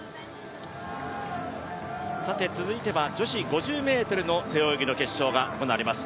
続いては女子５０ｍの背泳ぎの決勝が行われます。